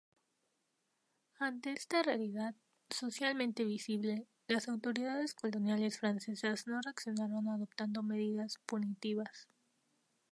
Ante esta realidad, socialmente visible, las autoridades coloniales francesas no reaccionaron adoptando medidas punitivas.